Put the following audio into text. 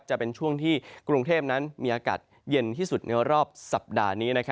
จะเป็นช่วงที่กรุงเทพนั้นมีอากาศเย็นที่สุดในรอบสัปดาห์นี้